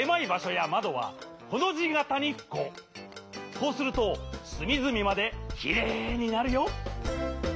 こうするとすみずみまできれいになるよ。